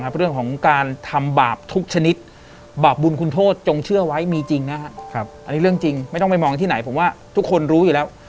เพราะฉะนั้นฟังไว้เป็นอุทาหอนเลยนะ